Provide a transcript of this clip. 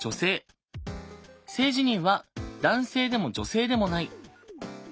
性自認は「男性でも女性でもない」。